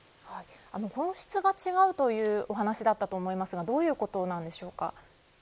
本質が違うというお話だったと思いますがどういうことでしょうか。